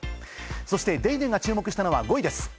そして『ＤａｙＤａｙ．』が注目したのは５位です。